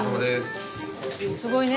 すごいね。